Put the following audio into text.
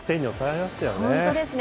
本当ですね。